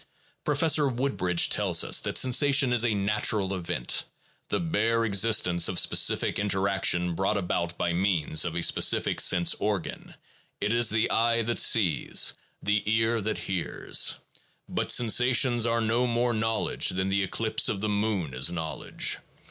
Professor Woodbridge tells us that sensation is a natural event, the bare existence of specific interaction brought about by means of a specific sense organ: it is the eye that sees, the ear that hears. But sensations are no more knowledge than the eclipse of the moon is knowledge.